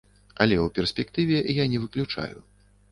Але ў перспектыве я не выключаю.